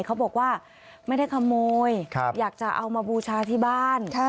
เขาบอกว่าไม่ได้ขโมยอยากจะเอามาบูชาที่บ้าน